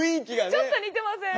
ちょっと似てません？